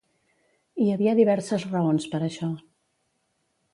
Hi havia diverses raons per això.